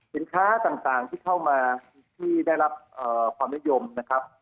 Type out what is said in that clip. สินค้าต่างที่เข้ามาที่ได้รับความนิยมนะครับ